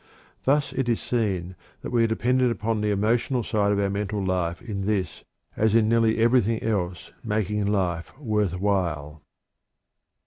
Thus it is seen that we are dependent upon the emotional side of our mental life in this as in nearly everything else making life worth while.